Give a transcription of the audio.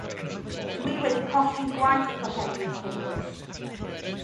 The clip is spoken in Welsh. Dw i wedi colli gwaith oherwydd hyn oll.